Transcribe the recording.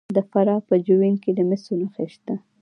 د فراه په جوین کې د مسو نښې شته.